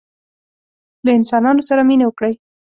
له انسانانو سره مینه وکړئ